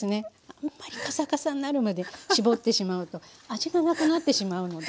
あんまりカサカサになるまで搾ってしまうと味がなくなってしまうので。